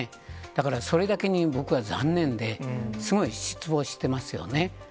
だからそれだけに僕は残念で、すごい失望してますよね。